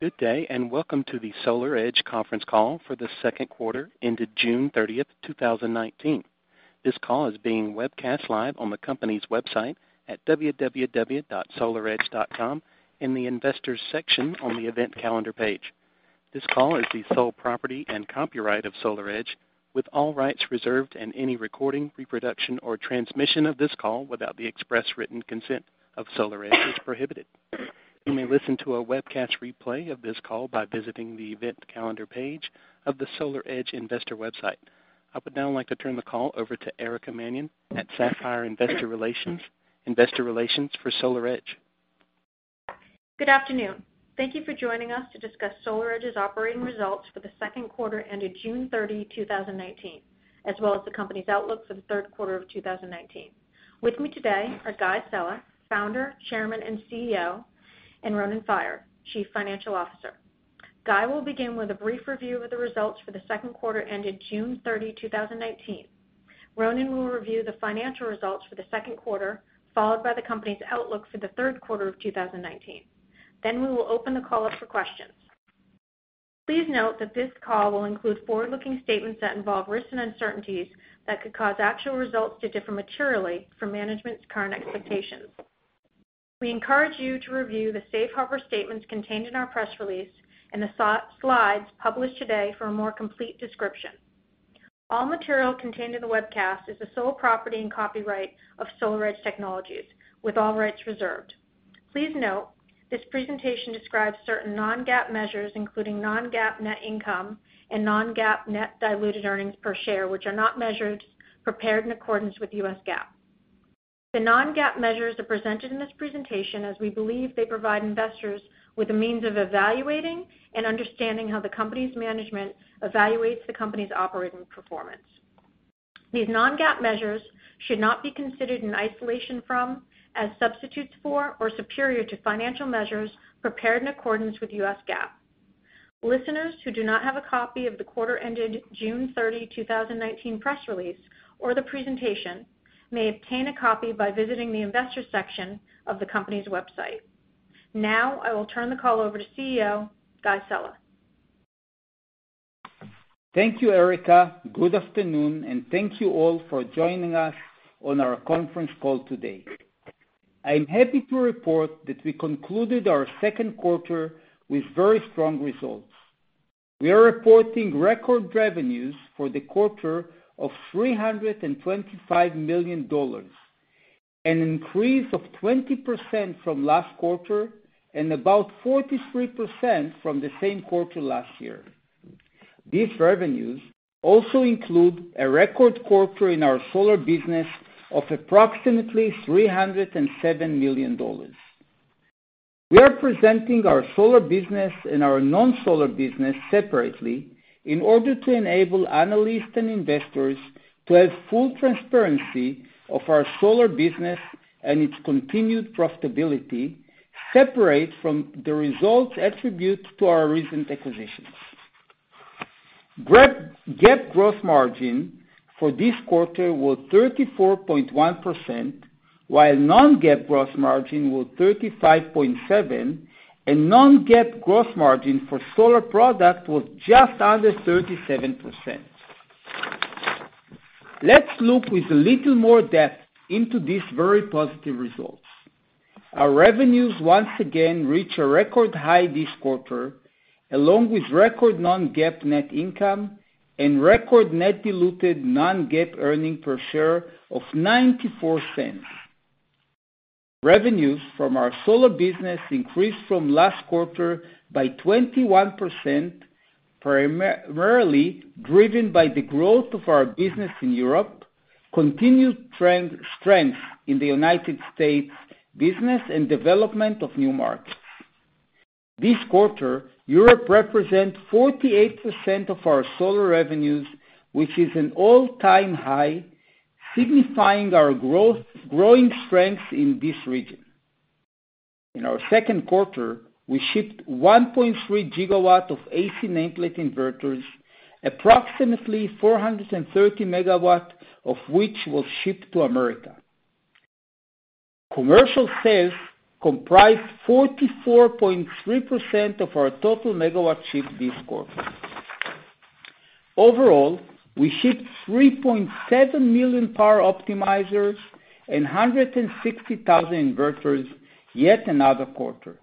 Good day, and welcome to the SolarEdge conference call for the second quarter ended June 30th, 2019. This call is being webcast live on the company's website at www.solaredge.com in the investors section on the event calendar page. This call is the sole property and copyright of SolarEdge, with all rights reserved and any recording, reproduction, or transmission of this call without the express written consent of SolarEdge is prohibited. You may listen to a webcast replay of this call by visiting the event calendar page of the SolarEdge investor website. I would now like to turn the call over to Erica Mannion at Sapphire Investor Relations, investor relations for SolarEdge. Good afternoon. Thank you for joining us to discuss SolarEdge's operating results for the second quarter ended June 30, 2019, as well as the company's outlook for the third quarter of 2019. With me today are Guy Sella, Founder, Chairman, and CEO, and Ronen Faier, Chief Financial Officer. Guy will begin with a brief review of the results for the second quarter ended June 30, 2019. Ronen will review the financial results for the second quarter, followed by the company's outlook for the third quarter of 2019. We will open the call up for questions. Please note that this call will include forward-looking statements that involve risks and uncertainties that could cause actual results to differ materially from management's current expectations. We encourage you to review the safe harbor statements contained in our press release and the slides published today for a more complete description. All material contained in the webcast is the sole property and copyright of SolarEdge Technologies, with all rights reserved. Please note, this presentation describes certain non-GAAP measures, including non-GAAP net income and non-GAAP net diluted earnings per share, which are not measures prepared in accordance with U.S. GAAP. The non-GAAP measures are presented in this presentation as we believe they provide investors with a means of evaluating and understanding how the company's management evaluates the company's operating performance. These non-GAAP measures should not be considered in isolation from, as substitutes for, or superior to financial measures prepared in accordance with U.S. GAAP. Listeners who do not have a copy of the quarter ended June 30, 2019 press release or the presentation may obtain a copy by visiting the investors section of the company's website. Now, I will turn the call over to CEO, Guy Sella. Thank you, Erica. Good afternoon, and thank you all for joining us on our conference call today. I'm happy to report that we concluded our second quarter with very strong results. We are reporting record revenues for the quarter of $325 million, an increase of 20% from last quarter and about 43% from the same quarter last year. These revenues also include a record quarter in our solar business of approximately $307 million. We are presenting our solar business and our non-solar business separately in order to enable analysts and investors to have full transparency of our solar business and its continued profitability separate from the results attribute to our recent acquisitions. GAAP gross margin for this quarter was 34.1%, while non-GAAP gross margin was 35.7%, and non-GAAP gross margin for solar product was just under 37%. Let's look with a little more depth into these very positive results. Our revenues once again reach a record high this quarter, along with record non-GAAP net income and record net diluted non-GAAP earnings per share of $0.94. Revenues from our solar business increased from last quarter by 21%, primarily driven by the growth of our business in Europe, continued strength in the United States business, and development of new markets. This quarter, Europe represent 48% of our solar revenues, which is an all-time high, signifying our growing strengths in this region. In our second quarter, we shipped 1.3 GW of AC nameplate inverters, approximately 430 MW of which was shipped to America. Commercial sales comprised 44.3% of our total megawatt shipped this quarter. Overall, we shipped 3.7 million Power Optimizers and 160,000 inverters yet another quarter.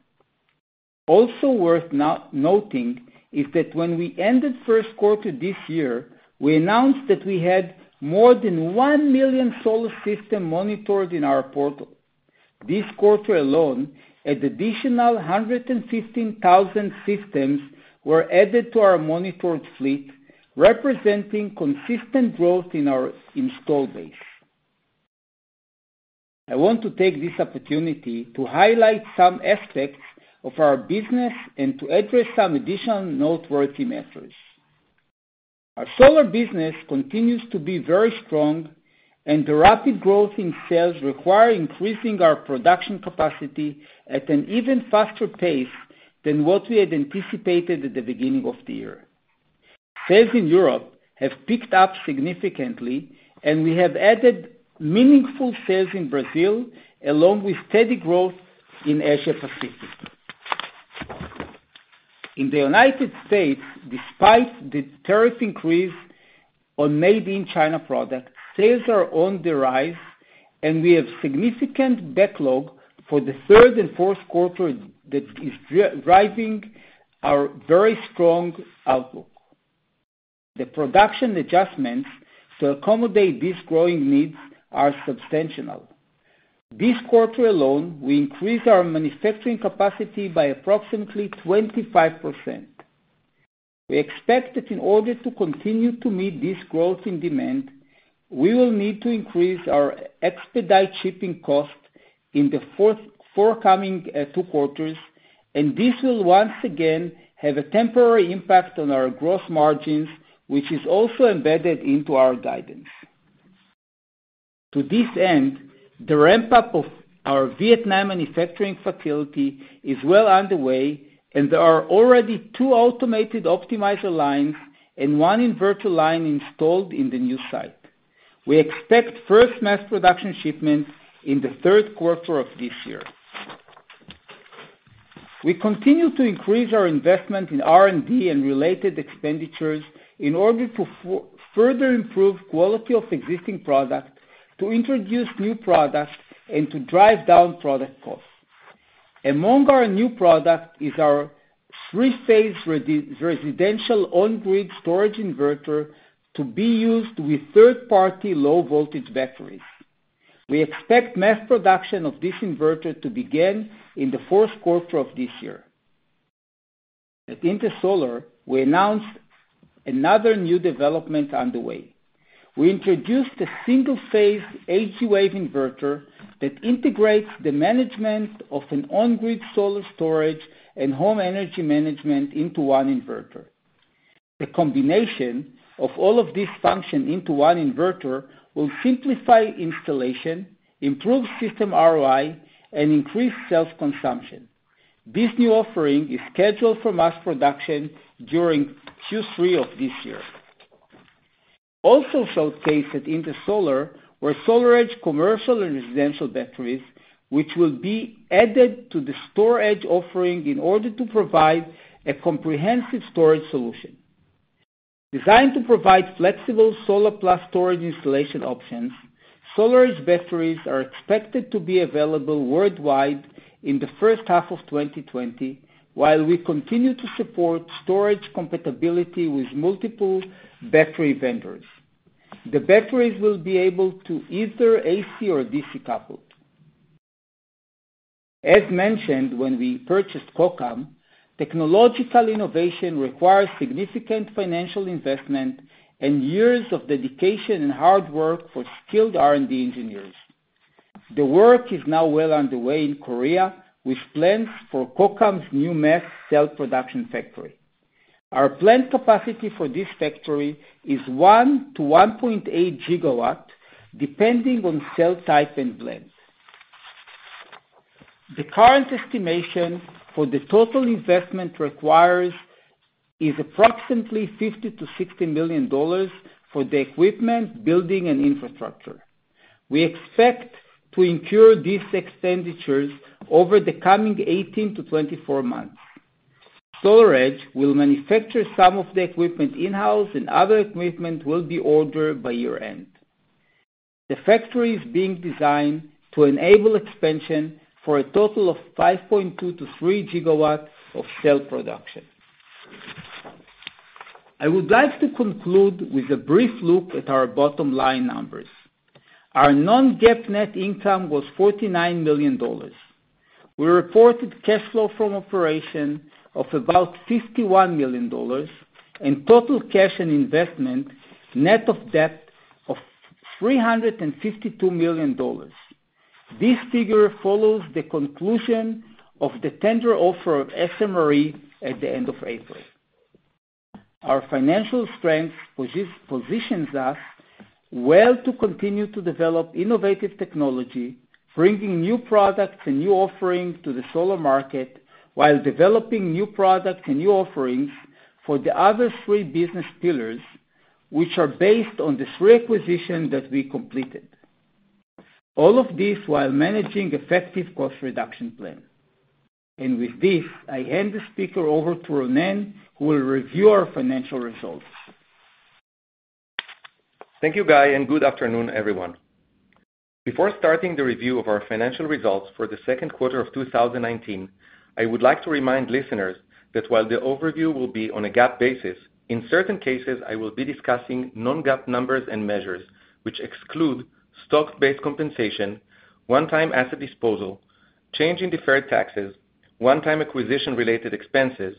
Also worth noting is that when we ended first quarter this year, we announced that we had more than 1 million solar system monitored in our portal. This quarter alone, an additional 115,000 systems were added to our monitored fleet, representing consistent growth in our install base. I want to take this opportunity to highlight some aspects of our business and to address some additional noteworthy metrics. Our solar business continues to be very strong, and the rapid growth in sales require increasing our production capacity at an even faster pace than what we had anticipated at the beginning of the year. Sales in Europe have picked up significantly, and we have added meaningful sales in Brazil, along with steady growth in Asia-Pacific. In the United States, despite the tariff increase on made-in-China product, sales are on the rise, and we have significant backlog for the third and fourth quarter that is driving our very strong outlook. The production adjustments to accommodate these growing needs are substantial. This quarter alone, we increased our manufacturing capacity by approximately 25%. We expect that in order to continue to meet this growth in demand, we will need to increase our expedite shipping cost in the forthcoming two quarters, and this will once again have a temporary impact on our gross margins, which is also embedded into our guidance. To this end, the ramp-up of our Vietnam manufacturing facility is well underway, and there are already two automated Optimizer lines and one inverter line installed in the new site. We expect first mass production shipments in the third quarter of this year. We continue to increase our investment in R&D and related expenditures in order to further improve quality of existing product, to introduce new product, and to drive down product costs. Among our new product is our three-phase residential on-grid storage inverter to be used with third-party low-voltage batteries. We expect mass production of this inverter to begin in the fourth quarter of this year. At Intersolar, we announced another new development underway. We introduced a single-phase AC wave inverter that integrates the management of an on-grid solar storage and home energy management into one inverter. The combination of all of this function into one inverter will simplify installation, improve system ROI, and increase self-consumption. This new offering is scheduled for mass production during Q3 of this year. Also showcased at Intersolar were SolarEdge commercial and residential batteries, which will be added to the storage offering in order to provide a comprehensive storage solution. Designed to provide flexible solar plus storage installation options, SolarEdge batteries are expected to be available worldwide in the first half of 2020 while we continue to support storage compatibility with multiple battery vendors. The batteries will be able to either AC or DC couple. As mentioned when we purchased Kokam, technological innovation requires significant financial investment and years of dedication and hard work for skilled R&D engineers. The work is now well underway in Korea with plans for Kokam's new mass cell production factory. Our planned capacity for this factory is 1 GW-1.8 GW, depending on cell type and blend. The current estimation for the total investment required is approximately $50 million-$60 million for the equipment, building, and infrastructure. We expect to incur these expenditures over the coming 18-24 months. SolarEdge will manufacture some of the equipment in-house, and other equipment will be ordered by year-end. The factory is being designed to enable expansion for a total of 5.2 GW-3 GW of cell production. I would like to conclude with a brief look at our bottom line numbers. Our non-GAAP net income was $49 million. We reported cash flow from operation of about $51 million and total cash and investment net of debt of $352 million. This figure follows the conclusion of the tender offer of SMRE at the end of April. Our financial strength positions us well to continue to develop innovative technology, bringing new products and new offerings to the solar market, while developing new products and new offerings for the other three business pillars, which are based on the three acquisitions that we completed. All of this while managing effective cost reduction plan. With this, I hand the speaker over to Ronen, who will review our financial results. Thank you, Guy, and good afternoon, everyone. Before starting the review of our financial results for the second quarter of 2019, I would like to remind listeners that while the overview will be on a GAAP basis, in certain cases, I will be discussing non-GAAP numbers and measures which exclude stock-based compensation, one-time asset disposal, change in deferred taxes, one-time acquisition related expenses,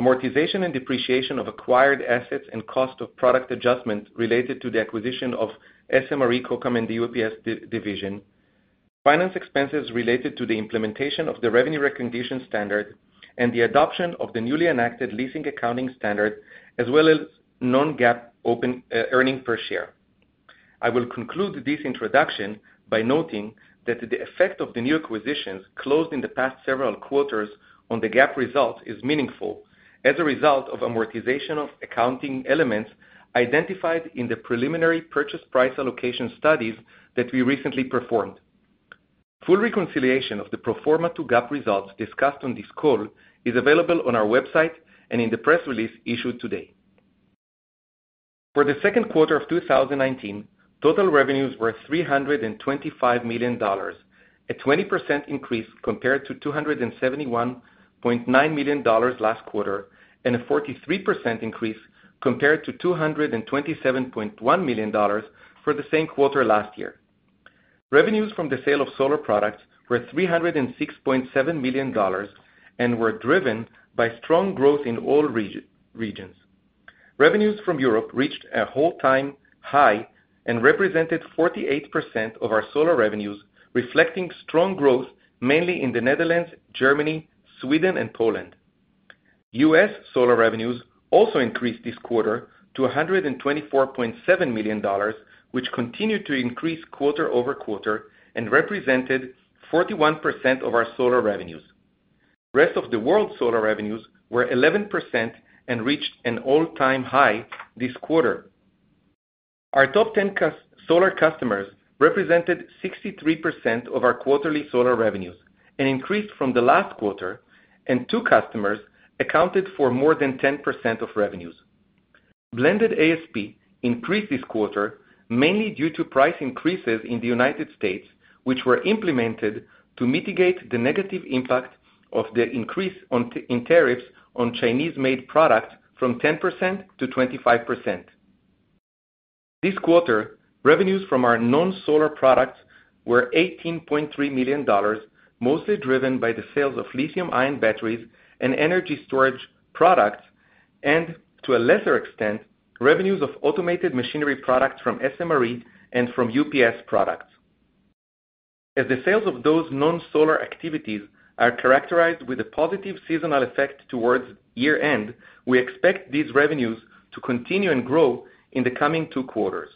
amortization and depreciation of acquired assets and cost of product adjustment related to the acquisition of SMRE, Kokam, and the UPS division, finance expenses related to the implementation of the revenue recognition standard, and the adoption of the newly enacted leasing accounting standard, as well as non-GAAP earnings per share. I will conclude this introduction by noting that the effect of the new acquisitions closed in the past several quarters on the GAAP result is meaningful as a result of amortization of accounting elements identified in the preliminary purchase price allocation studies that we recently performed. Full reconciliation of the pro forma to GAAP results discussed on this call is available on our website and in the press release issued today. For the second quarter of 2019, total revenues were $325 million, a 20% increase compared to $271.9 million last quarter, and a 43% increase compared to $227.1 million for the same quarter last year. Revenues from the sale of solar products were $306.7 million and were driven by strong growth in all regions. Revenues from Europe reached an all-time high and represented 48% of our solar revenues, reflecting strong growth, mainly in the Netherlands, Germany, Sweden, and Poland. U.S. solar revenues also increased this quarter to $124.7 million, which continued to increase quarter-over-quarter and represented 41% of our solar revenues. Rest of the world solar revenues were 11% and reached an all-time high this quarter. Our top 10 solar customers represented 63% of our quarterly solar revenues and increased from the last quarter, and two customers accounted for more than 10% of revenues. Blended ASP increased this quarter, mainly due to price increases in the United States, which were implemented to mitigate the negative impact of the increase in tariffs on Chinese-made products from 10% to 25%. This quarter, revenues from our non-solar products were $18.3 million, mostly driven by the sales of lithium-ion batteries and energy storage products, and, to a lesser extent, revenues of automated machinery products from SMRE and from UPS products. As the sales of those non-solar activities are characterized with a positive seasonal effect towards year-end, we expect these revenues to continue and grow in the coming two quarters.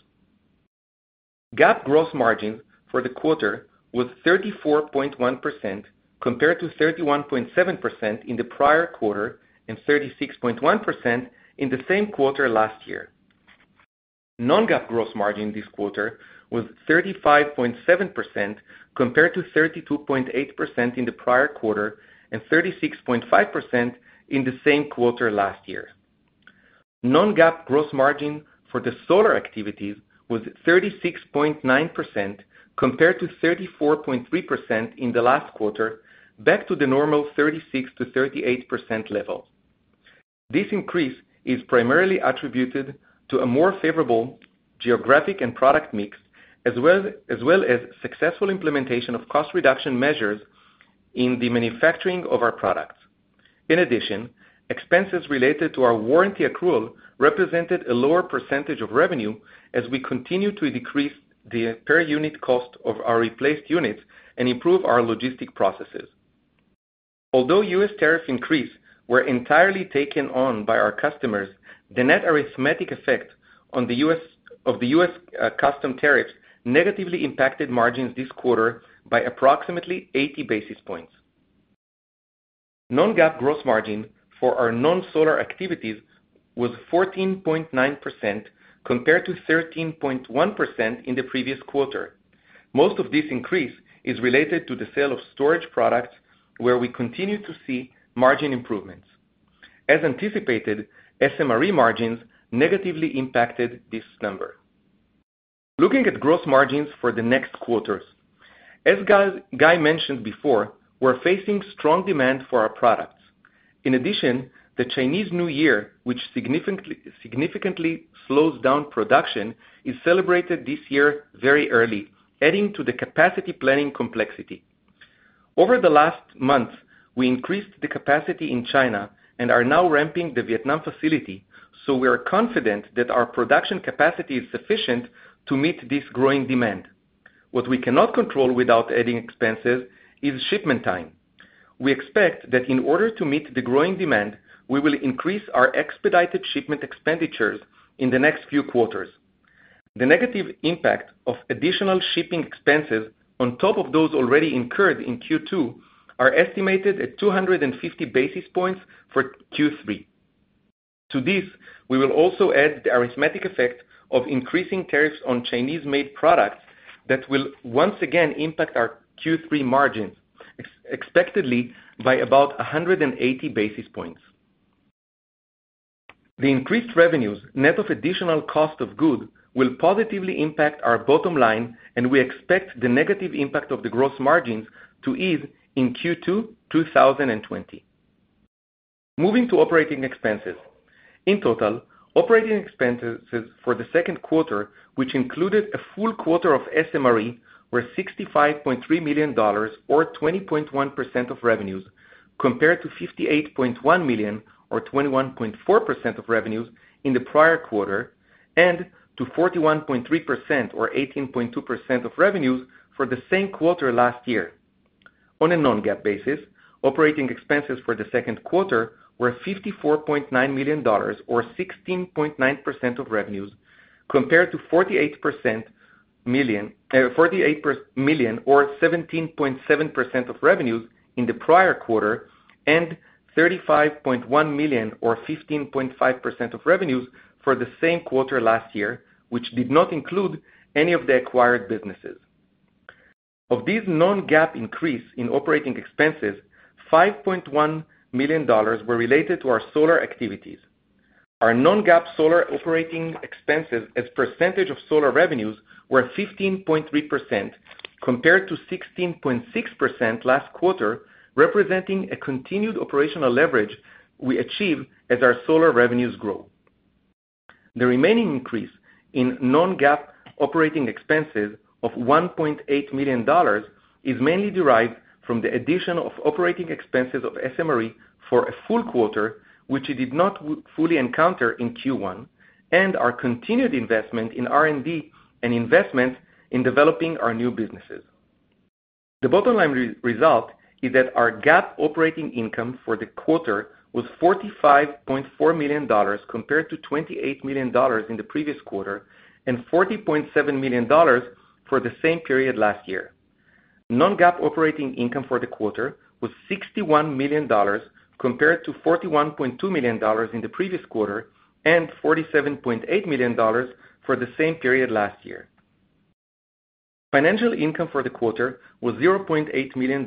GAAP gross margin for the quarter was 34.1%, compared to 31.7% in the prior quarter and 36.1% in the same quarter last year. Non-GAAP gross margin this quarter was 35.7%, compared to 32.8% in the prior quarter and 36.5% in the same quarter last year. Non-GAAP gross margin for the solar activities was 36.9%, compared to 34.3% in the last quarter, back to the normal 36%-38% level. This increase is primarily attributed to a more favorable geographic and product mix, as well as successful implementation of cost reduction measures in the manufacturing of our products. In addition, expenses related to our warranty accrual represented a lower percentage of revenue as we continue to decrease the per unit cost of our replaced units and improve our logistic processes. Although U.S. tariff increase were entirely taken on by our customers, the net arithmetic effect of the U.S. custom tariffs negatively impacted margins this quarter by approximately 80 basis points. Non-GAAP gross margin for our non-solar activities was 14.9%, compared to 13.1% in the previous quarter. Most of this increase is related to the sale of storage products, where we continue to see margin improvements. As anticipated, SMRE margins negatively impacted this number. Looking at gross margins for the next quarters. As Guy mentioned before, we're facing strong demand for our products. In addition, the Chinese New Year, which significantly slows down production, is celebrated this year very early, adding to the capacity planning complexity. Over the last month, we increased the capacity in China and are now ramping the Vietnam facility, so we are confident that our production capacity is sufficient to meet this growing demand. What we cannot control without adding expenses is shipment time. We expect that in order to meet the growing demand, we will increase our expedited shipment expenditures in the next few quarters. The negative impact of additional shipping expenses on top of those already incurred in Q2 are estimated at 250 basis points for Q3. To this, we will also add the arithmetic effect of increasing tariffs on Chinese-made products that will once again impact our Q3 margins, expectedly by about 180 basis points. The increased revenues, net of additional cost of goods, will positively impact our bottom line, and we expect the negative impact of the gross margins to ease in Q2 2020. Moving to operating expenses. In total, operating expenses for the second quarter, which included a full quarter of SMRE, were $65.3 million or 20.1% of revenues, compared to $58.1 million or 21.4% of revenues in the prior quarter and to $41.3 million or 18.2% of revenues for the same quarter last year. On a non-GAAP basis, operating expenses for the second quarter were $54.9 million, or 16.9% of revenues, compared to $48 million, or 17.7% of revenues in the prior quarter, and $35.1 million, or 15.5% of revenues for the same quarter last year, which did not include any of the acquired businesses. Of this non-GAAP increase in operating expenses, $5.1 million were related to our solar activities. Our non-GAAP solar operating expenses as percentage of solar revenues were 15.3% compared to 16.6% last quarter, representing a continued operational leverage we achieved as our solar revenues grow. The remaining increase in non-GAAP operating expenses of $1.8 million is mainly derived from the addition of operating expenses of SMRE for a full quarter, which it did not fully encounter in Q1, and our continued investment in R&D and investments in developing our new businesses. The bottom line result is that our GAAP operating income for the quarter was $45.4 million, compared to $28 million in the previous quarter, and $40.7 million for the same period last year. Non-GAAP operating income for the quarter was $61 million, compared to $41.2 million in the previous quarter, and $47.8 million for the same period last year. Financial income for the quarter was $0.8 million,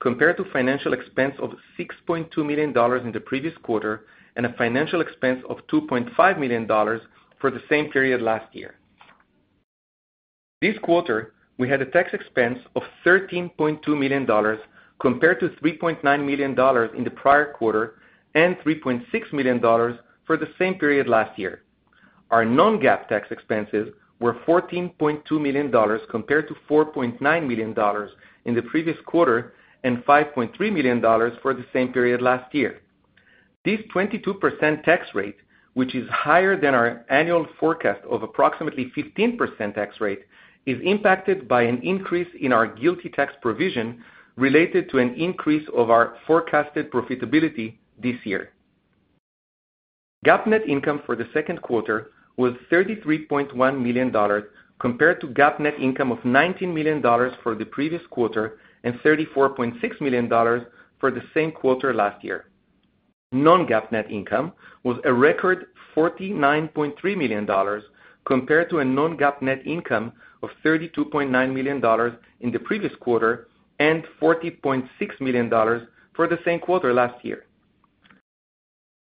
compared to financial expense of $6.2 million in the previous quarter, and a financial expense of $2.5 million for the same period last year. This quarter, we had a tax expense of $13.2 million, compared to $3.9 million in the prior quarter, and $3.6 million for the same period last year. Our non-GAAP tax expenses were $14.2 million, compared to $4.9 million in the previous quarter, and $5.3 million for the same period last year. This 22% tax rate, which is higher than our annual forecast of approximately 15% tax rate, is impacted by an increase in our GILTI tax provision related to an increase of our forecasted profitability this year. GAAP net income for the second quarter was $33.1 million, compared to GAAP net income of $19 million for the previous quarter, and $34.6 million for the same quarter last year. Non-GAAP net income was a record $49.3 million, compared to a non-GAAP net income of $32.9 million in the previous quarter, and $40.6 million for the same quarter last year.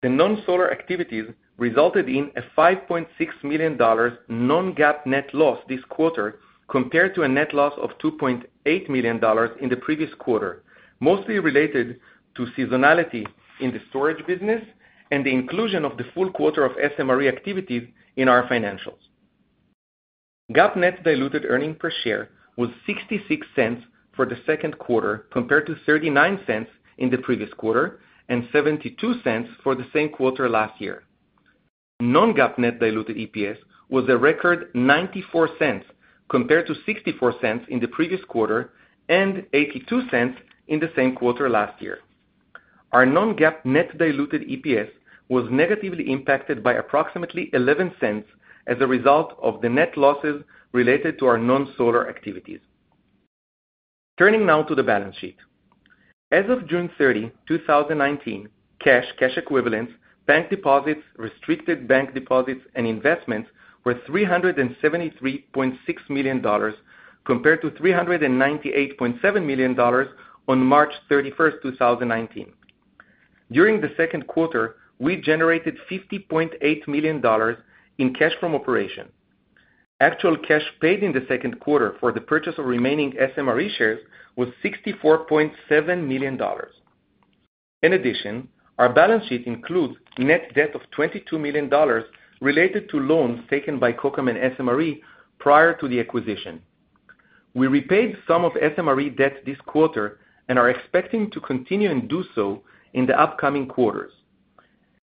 The non-solar activities resulted in a $5.6 million non-GAAP net loss this quarter, compared to a net loss of $2.8 million in the previous quarter, mostly related to seasonality in the storage business, and the inclusion of the full quarter of SMRE activities in our financials. GAAP net diluted earnings per share was $0.66 for the second quarter, compared to $0.39 in the previous quarter, and $0.72 for the same quarter last year. Non-GAAP net diluted EPS was a record $0.94, compared to $0.64 in the previous quarter, and $0.82 in the same quarter last year. Our non-GAAP net diluted EPS was negatively impacted by approximately $0.11 as a result of the net losses related to our non-solar activities. Turning now to the balance sheet. As of June 30, 2019, cash, cash equivalents, bank deposits, restricted bank deposits, and investments were $373.6 million, compared to $398.7 million on March 31st, 2019. During the second quarter, we generated $50.8 million in cash from operation. Actual cash paid in the second quarter for the purchase of remaining SMRE shares was $64.7 million. In addition, our balance sheet includes net debt of $22 million related to loans taken by Kokam and SMRE prior to the acquisition. We repaid some of SMRE debt this quarter and are expecting to continue and do so in the upcoming quarters.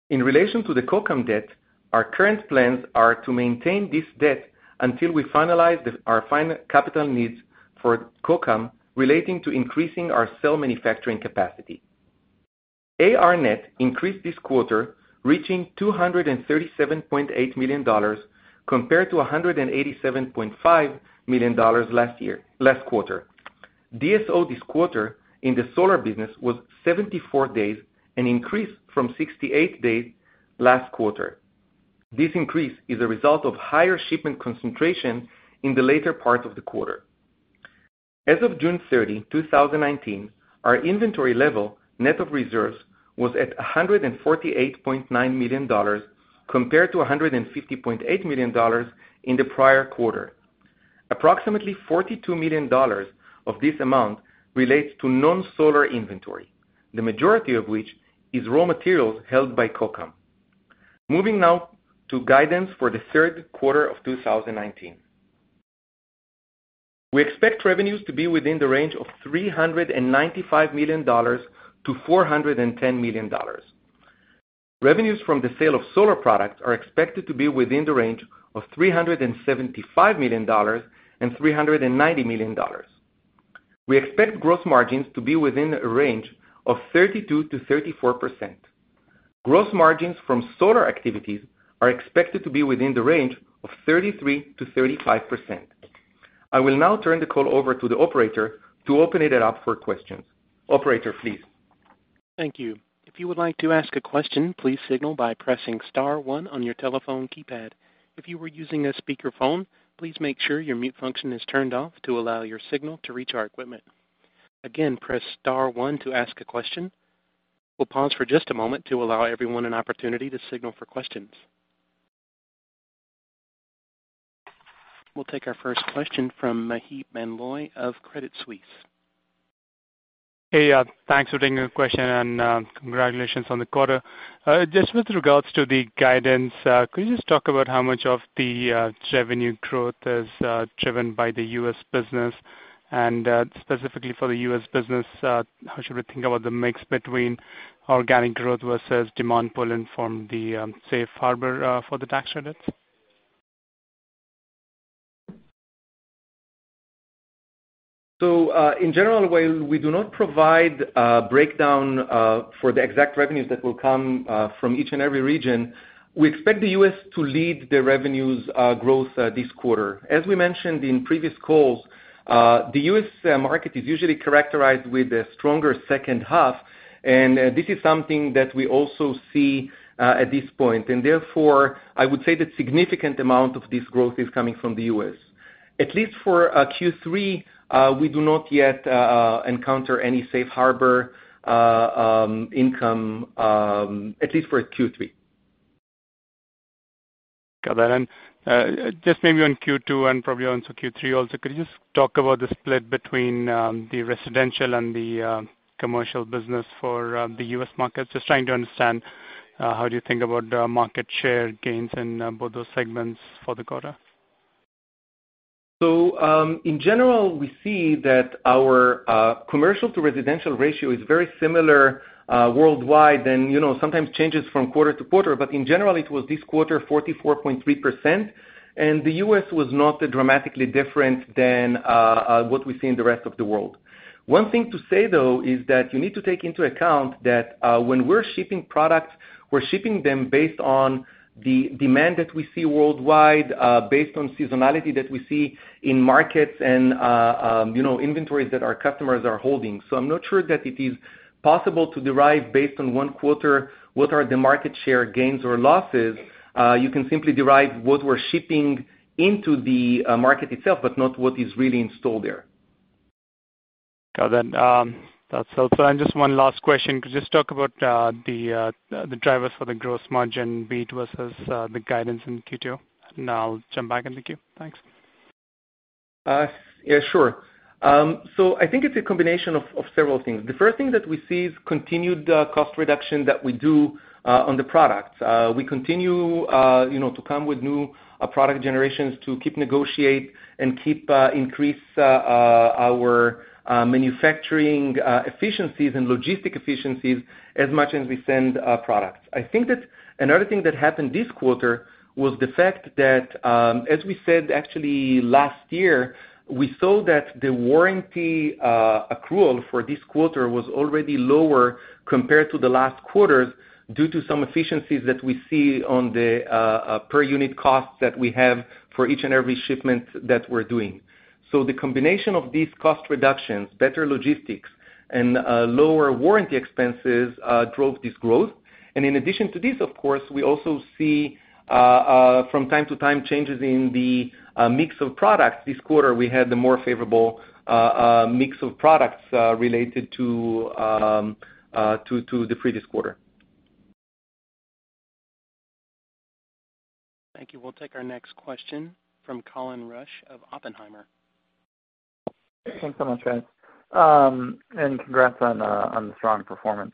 In relation to the Kokam debt, our current plans are to maintain this debt until we finalize our final capital needs for Kokam relating to increasing our cell manufacturing capacity. AR net increased this quarter, reaching $237.8 million compared to $187.5 million last quarter. DSO this quarter in the solar business was 74 days, an increase from 68 days last quarter. This increase is a result of higher shipment concentration in the later part of the quarter. As of June 30, 2019, our inventory level, net of reserves, was at $148.9 million, compared to $150.8 million in the prior quarter. Approximately $42 million of this amount relates to non-solar inventory, the majority of which is raw materials held by Kokam. Moving now to guidance for the third quarter of 2019. We expect revenues to be within the range of $395 million-$410 million. Revenues from the sale of solar products are expected to be within the range of $375 million and $390 million. We expect gross margins to be within a range of 32%-34%. Gross margins from solar activities are expected to be within the range of 33%-35%. I will now turn the call over to the operator to open it up for questions. Operator, please. Thank you. If you would like to ask a question, please signal by pressing star one on your telephone keypad. If you are using a speakerphone, please make sure your mute function is turned off to allow your signal to reach our equipment. Again, press star one to ask a question. We'll pause for just a moment to allow everyone an opportunity to signal for questions. We'll take our first question from Maheep Mandloi of Credit Suisse. Hey, thanks for taking the question, and congratulations on the quarter. Just with regards to the guidance, could you just talk about how much of the revenue growth is driven by the U.S. business? Specifically for the U.S. business, how should we think about the mix between organic growth versus demand pull from the safe harbor for the tax credits? In general, while we do not provide a breakdown for the exact revenues that will come from each and every region, we expect the U.S. to lead the revenues growth this quarter. As we mentioned in previous calls, the U.S. market is usually characterized with a stronger second half, and this is something that we also see at this point. Therefore, I would say that significant amount of this growth is coming from the U.S. At least for Q3, we do not yet encounter any safe harbor income, at least for Q3. Got that. Just maybe on Q2 and probably on Q3 also, could you just talk about the split between the residential and the commercial business for the U.S. market? Just trying to understand how you think about the market share gains in both those segments for the quarter. In general, we see that our commercial-to-residential ratio is very similar worldwide and sometimes changes from quarter-to-quarter. In general, it was this quarter, 44.3%, and the U.S. was not dramatically different than what we see in the rest of the world. One thing to say, though, is that you need to take into account that when we're shipping products, we're shipping them based on the demand that we see worldwide, based on seasonality that we see in markets and inventories that our customers are holding. I'm not sure that it is possible to derive based on one quarter what are the market share gains or losses. You can simply derive what we're shipping into the market itself, but not what is really installed there. Got that. That's helpful. Just one last question. Could you just talk about the drivers for the gross margin beat versus the guidance in Q2? I'll jump back in the queue. Thanks. Yeah, sure. I think it's a combination of several things. The first thing that we see is continued cost reduction that we do on the products. We continue to come with new product generations to keep negotiating and keep increasing our manufacturing efficiencies and logistic efficiencies as much as we send products. I think that another thing that happened this quarter was the fact that, as we said actually last year, we saw that the warranty accrual for this quarter was already lower compared to the last quarters due to some efficiencies that we see on the per-unit costs that we have for each and every shipment that we're doing. The combination of these cost reductions, better logistics, and lower warranty expenses drove this growth. In addition to this, of course, we also see from time to time, changes in the mix of products. This quarter, we had the more favorable mix of products related to the previous quarter. Thank you. We'll take our next question from Colin Rusch of Oppenheimer. Thanks so much, guys. Congrats on the strong performance.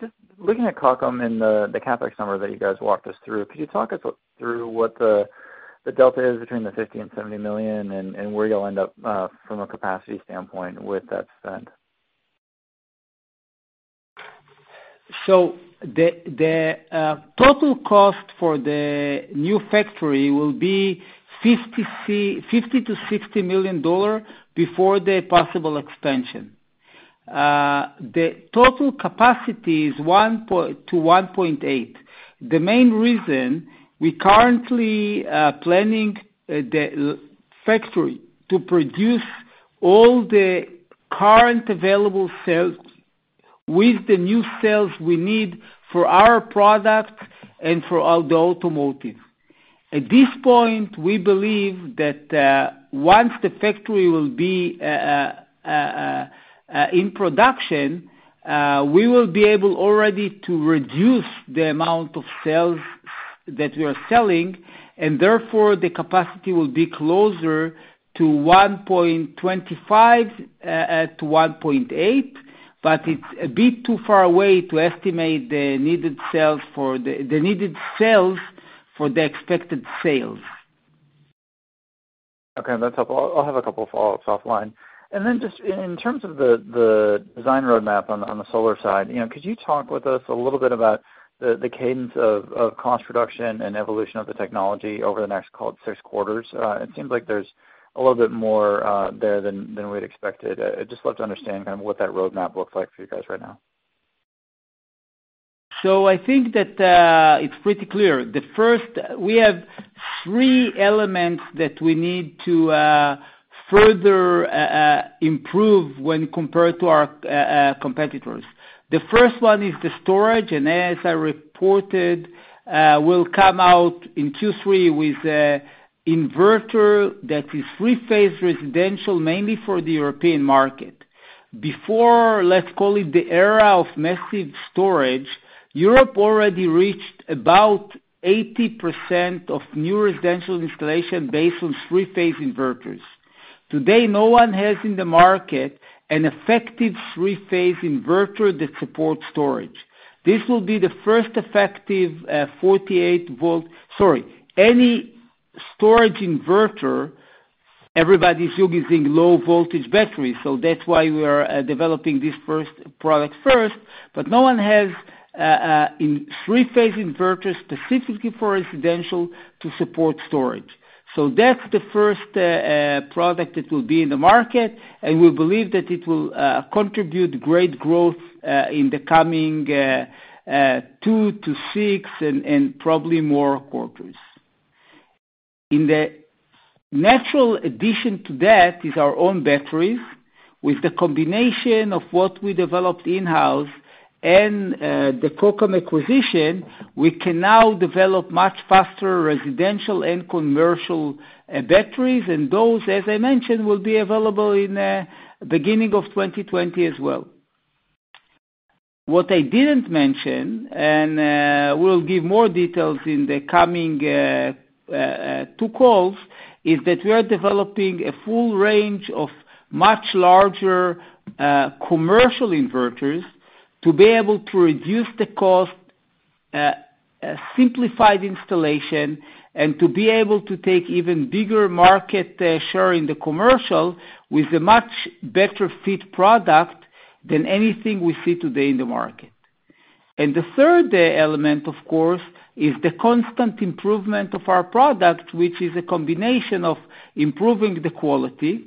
Just looking at Kokam and the CapEx number that you guys walked us through, could you talk us through what the delta is between the $50 million and $70 million and where you'll end up from a capacity standpoint with that spend? The total cost for the new factory will be $50 million-$60 million before the possible expansion. The total capacity is 1.0 GW-1.8 GW. The main reason we currently are planning the factory to produce all the current available cells with the new cells we need for our product and for the automotive. At this point, we believe that once the factory will be in production, we will be able already to reduce the amount of cells that we are selling, and therefore the capacity will be closer to 1.25 GW-1.8 GW, but it's a bit too far away to estimate the needed cells for the expected sales. Okay, that's helpful. I'll have a couple follow-ups offline. Just in terms of the design roadmap on the solar side, could you talk with us a little bit about the cadence of cost reduction and evolution of the technology over the next, call it, six quarters? It seems like there's a little bit more there than we'd expected. I'd just love to understand kind of what that roadmap looks like for you guys right now. I think that it's pretty clear. We have three elements that we need to further improve when compared to our competitors. The first one is the storage, and as I reported, we'll come out in Q3 with an inverter that is three-phase residential, mainly for the European market. Before, let's call it, the era of massive storage, Europe already reached about 80% of new residential installation based on three-phase inverters. Today, no one has in the market an effective three-phase inverter that supports storage. This will be the first effective 48 V. Any storage inverter, everybody's using low-voltage batteries, so that's why we are developing this product first. No one has a three-phase inverter specifically for residential to support storage. That's the first product that will be in the market, and we believe that it will contribute great growth in the coming two to six, and probably more quarters. In the natural addition to that is our own batteries. With the combination of what we developed in-house and the Kokam acquisition, we can now develop much faster residential and commercial batteries, and those, as I mentioned, will be available in the beginning of 2020 as well. What I didn't mention, and we'll give more details in the coming two calls, is that we are developing a full range of much larger commercial inverters to be able to reduce the cost, simplify the installation, and to be able to take even bigger market share in the commercial with a much better fit product than anything we see today in the market. The third element, of course, is the constant improvement of our product, which is a combination of improving the quality.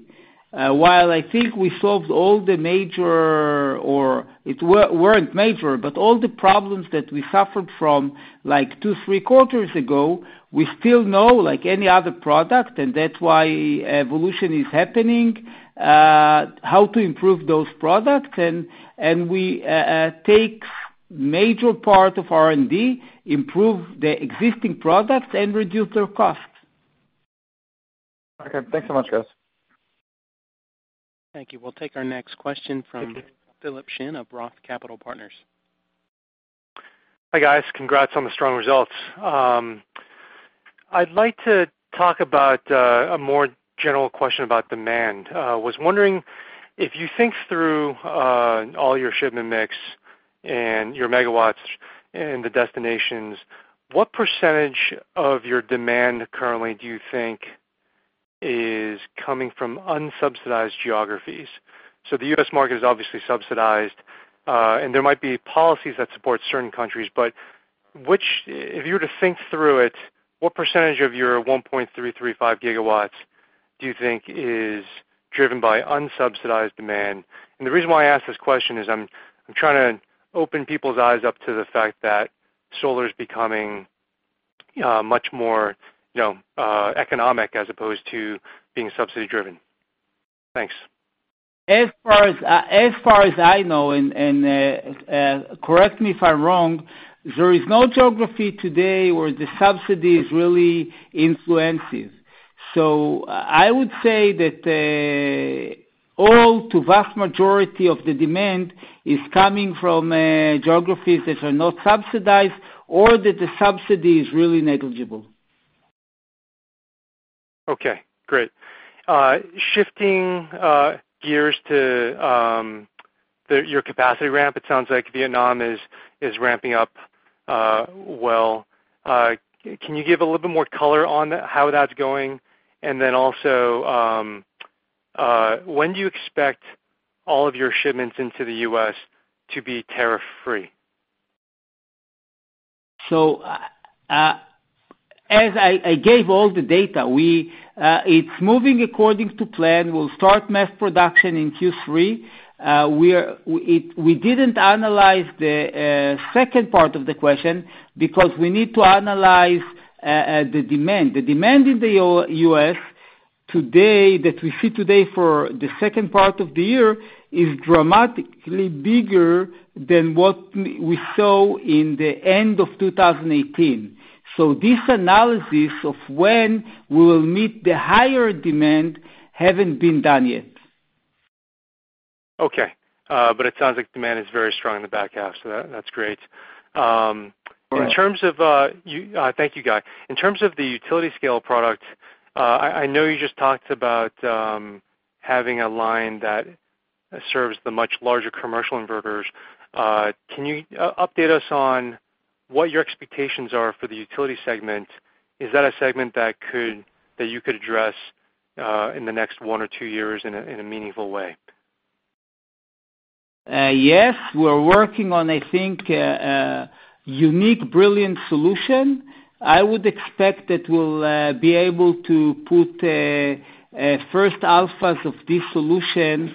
While I think we solved all the major, or it weren't major, but all the problems that we suffered from like two, three quarters ago, we still know, like any other product, and that's why evolution is happening, how to improve those products. We take major part of R&D, improve the existing products, and reduce their costs. Okay. Thanks so much, guys. Thank you. We'll take our next question from Philip Shen of Roth Capital Partners. Hi, guys. Congrats on the strong results. I'd like to talk about a more general question about demand. Was wondering if you think through all your shipment mix and your megawatts and the destinations, what percentage of your demand currently do you think is coming from unsubsidized geographies? The U.S. market is obviously subsidized, and there might be policies that support certain countries, but if you were to think through it, what percentage of your 1.335 GW do you think is driven by unsubsidized demand? The reason why I ask this question is I'm trying to open people's eyes up to the fact that solar is becoming much more economic as opposed to being subsidy-driven. Thanks. As far as I know, and correct me if I'm wrong, there is no geography today where the subsidy is really influencing. I would say that all to vast majority of the demand is coming from geographies that are not subsidized or that the subsidy is really negligible. Okay, great. Shifting gears to your capacity ramp, it sounds like Vietnam is ramping up well. Can you give a little bit more color on how that's going? Also, when do you expect all of your shipments into the U.S. to be tariff-free? As I gave all the data, it's moving according to plan. We'll start mass production in Q3. We didn't analyze the second part of the question because we need to analyze the demand. The demand in the U.S. that we see today for the second part of the year is dramatically bigger than what we saw in the end of 2018. This analysis of when we will meet the higher demand haven't been done yet. Okay. It sounds like demand is very strong in the back half, so that's great. Right. Thank you, Guy. In terms of the utility scale product, I know you just talked about having a line that serves the much larger commercial inverters. Can you update us on what your expectations are for the utility segment? Is that a segment that you could address in the next one or two years in a meaningful way? Yes, we're working on, I think, a unique, brilliant solution. I would expect that we'll be able to put first alphas of this solution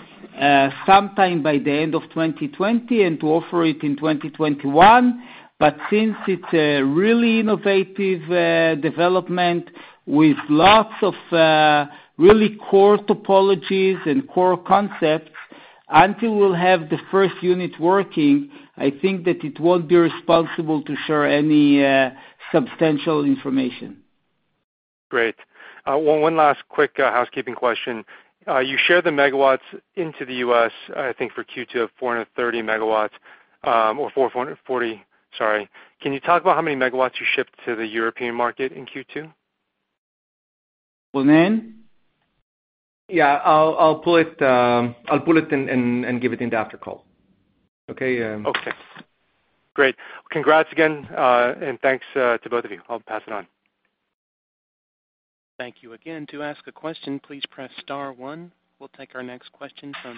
sometime by the end of 2020 and to offer it in 2021. Since it's a really innovative development with lots of really core topologies and core concepts, until we'll have the first unit working, I think that it won't be responsible to share any substantial information. Great. One last quick housekeeping question. You shared the megawatts into the U.S., I think, for Q2 of 430 MW or 440 MW, sorry. Can you talk about how many megawatts you shipped to the European market in Q2? Ronen? Yeah, I'll pull it and give it in the after call. Okay? Okay. Great. Congrats again, and thanks to both of you. I'll pass it on. Thank you again. To ask a question, please press star one. We will take our next question from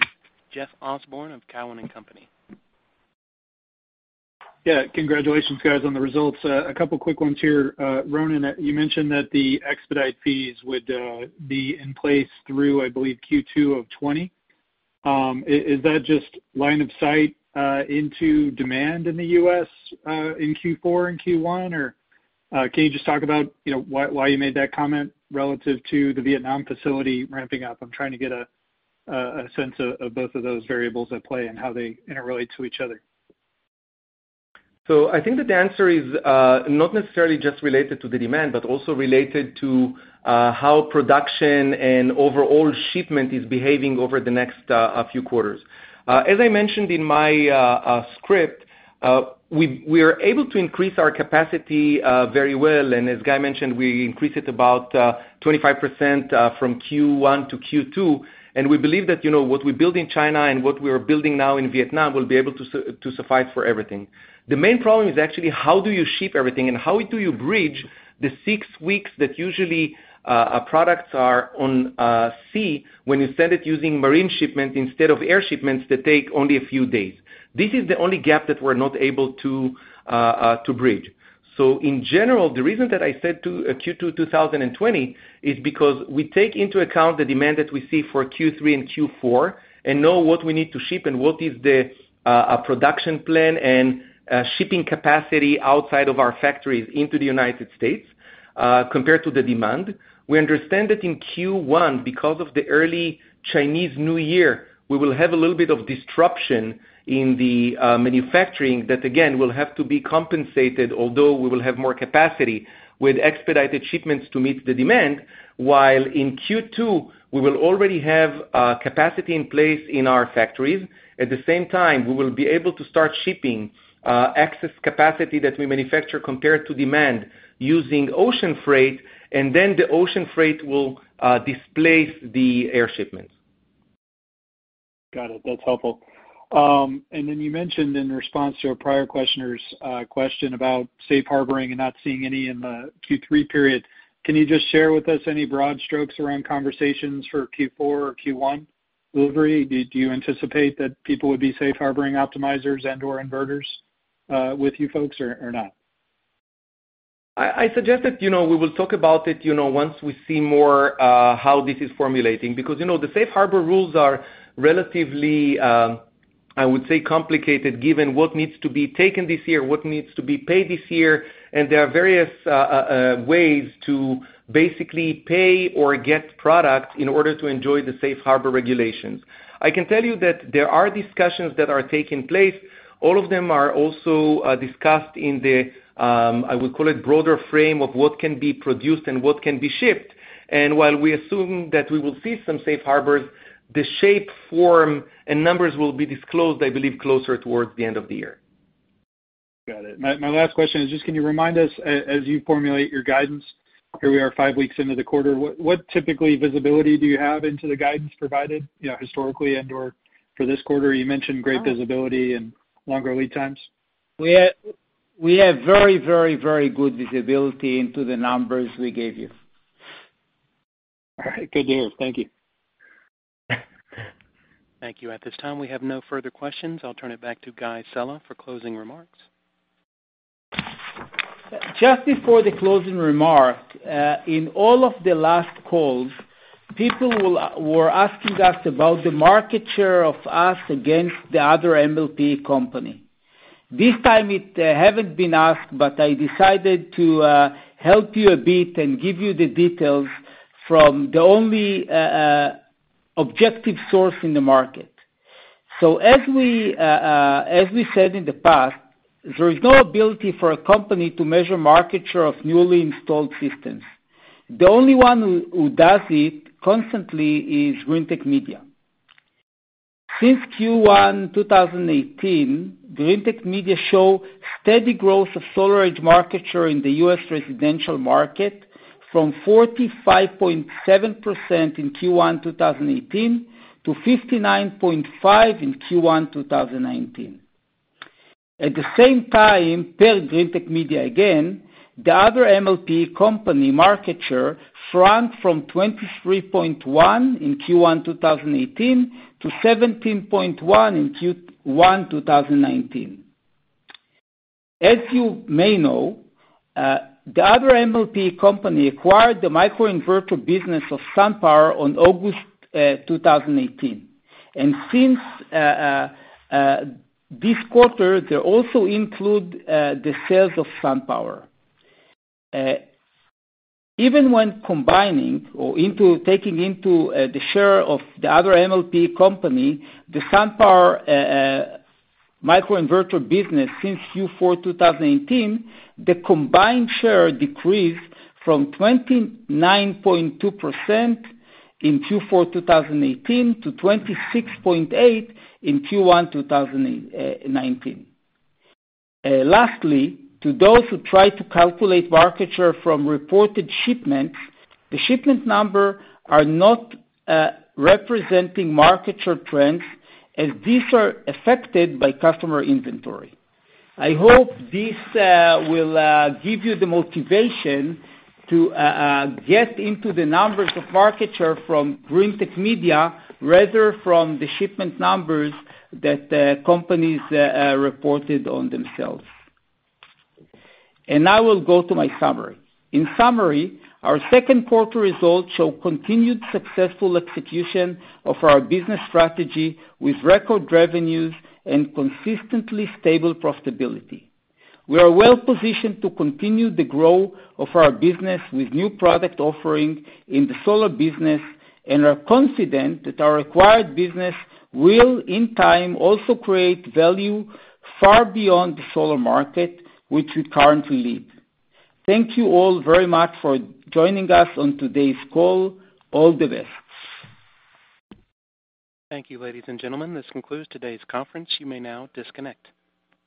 Jeff Osborne of Cowen and Company. Yeah. Congratulations, guys, on the results. A couple of quick ones here. Ronen, you mentioned that the expedite fees would be in place through, I believe, Q2 of 2020. Is that just line of sight into demand in the U.S. in Q4 and Q1? Can you just talk about why you made that comment relative to the Vietnam facility ramping up? I'm trying to get a sense of both of those variables at play and how they interrelate to each other. I think that the answer is not necessarily just related to the demand, but also related to how production and overall shipment is behaving over the next few quarters. As I mentioned in my script, we are able to increase our capacity very well, and as Guy mentioned, we increased it about 25% from Q1 to Q2. We believe that what we built in China and what we are building now in Vietnam will be able to suffice for everything. The main problem is actually how do you ship everything and how do you bridge the six weeks that usually products are on sea when you send it using marine shipment instead of air shipments that take only a few days. This is the only gap that we're not able to bridge. In general, the reason that I said Q2 2020 is because we take into account the demand that we see for Q3 and Q4 and know what we need to ship and what is the production plan and shipping capacity outside of our factories into the United States compared to the demand. We understand that in Q1, because of the early Chinese New Year, we will have a little bit of disruption in the manufacturing that again, will have to be compensated, although we will have more capacity with expedited shipments to meet the demand, while in Q2, we will already have capacity in place in our factories. At the same time, we will be able to start shipping excess capacity that we manufacture compared to demand using ocean freight, and then the ocean freight will displace the air shipments. Got it. That's helpful. You mentioned in response to a prior questioner's question about safe harboring and not seeing any in the Q3 period. Can you just share with us any broad strokes around conversations for Q4 or Q1 delivery? Do you anticipate that people would be safe harboring optimizers and/or inverters with you folks or not? I suggest that we will talk about it once we see more how this is formulating, because the safe harbor rules are relatively, I would say, complicated given what needs to be taken this year, what needs to be paid this year, and there are various ways to basically pay or get product in order to enjoy the safe harbor regulations. I can tell you that there are discussions that are taking place. All of them are also discussed in the, I would call it, broader frame of what can be produced and what can be shipped. While we assume that we will see some safe harbors, the shape, form, and numbers will be disclosed, I believe, closer towards the end of the year. Got it. My last question is just can you remind us, as you formulate your guidance, here we are five weeks into the quarter, what typically visibility do you have into the guidance provided historically and/or for this quarter? You mentioned great visibility and longer lead times. We have very good visibility into the numbers we gave you. All right. Good deal. Thank you. Thank you. At this time, we have no further questions. I'll turn it back to Guy Sella for closing remarks. Just before the closing remark, in all of the last calls, people were asking us about the market share of us against the other MLPE company. This time it haven't been asked, but I decided to help you a bit and give you the details from the only objective source in the market. As we said in the past, there is no ability for a company to measure market share of newly installed systems. The only one who does it constantly is Greentech Media. Since Q1 2018, Greentech Media show steady growth of SolarEdge market share in the U.S. residential market from 45.7% in Q1 2018 to 59.5% in Q1 2019. At the same time, per Greentech Media again, the other MLPE company market share shrunk from 23.1% in Q1 2018 to 17.1% in Q1 2019. As you may know, the other MLPE company acquired the microinverter business of SunPower on August 2018. Since this quarter, they also include the sales of SunPower. Even when combining or taking into the share of the other MLPE company, the SunPower microinverter business since Q4 2018, the combined share decreased from 29.2% in Q4 2018 to 26.8% in Q1 2019. Lastly, to those who try to calculate market share from reported shipments, the shipment number are not representing market share trends as these are affected by customer inventory. I hope this will give you the motivation to get into the numbers of market share from Greentech Media rather from the shipment numbers that companies reported on themselves. Now we'll go to my summary. In summary, our second quarter results show continued successful execution of our business strategy with record revenues and consistently stable profitability. We are well-positioned to continue the growth of our business with new product offering in the solar business and are confident that our acquired business will, in time, also create value far beyond the solar market, which we currently lead. Thank you all very much for joining us on today's call. All the best. Thank you, ladies and gentlemen. This concludes today's conference. You may now disconnect.